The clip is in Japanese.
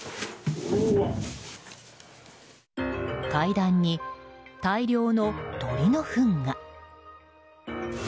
階段に大量の鳥のフンが。